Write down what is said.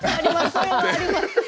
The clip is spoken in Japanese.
それはあります。